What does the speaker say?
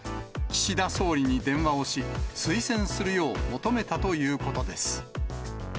岸田総理に電話をし、推薦するよう求めたということです。